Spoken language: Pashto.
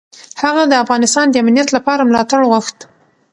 هغه د افغانستان د امنیت لپاره ملاتړ غوښت.